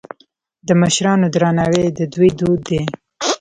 د مشرانو درناوی د دوی دود دی.